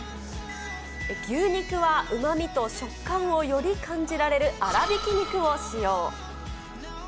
牛肉はうまみと食感をより感じられる粗びき肉を使用。